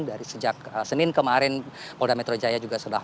dari sejak senin kemarin polda metro jaya juga sudah menyatakan